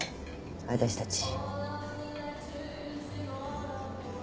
私たち。